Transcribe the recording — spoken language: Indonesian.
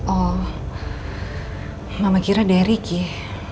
oh mama kira derik ya